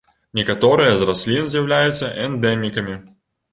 Некаторыя з раслін з'яўляюцца эндэмікамі.